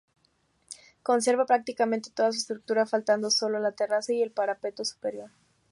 Conserva prácticamente toda su estructura, faltando solo la terraza y el parapeto superior.